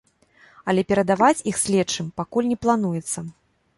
Але перадаваць іх следчым пакуль не плануецца.